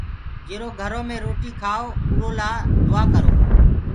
جرو گھرو مي روٽي کآئو اُرو لآ دُآآ ڪرو